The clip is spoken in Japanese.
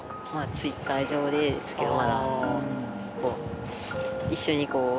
Ｔｗｉｔｔｅｒ上でですけどまだ。